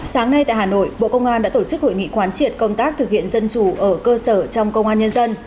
sáng nay tại hà nội bộ công an đã tổ chức hội nghị quán triệt công tác thực hiện dân chủ ở cơ sở trong công an nhân dân